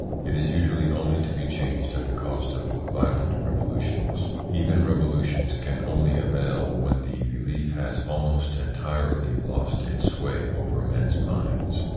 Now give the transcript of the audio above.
It is usually only to be changed at the cost of violent revolutions. Even revolutions can only avail when the belief has almost entirely lost its sway over men's minds.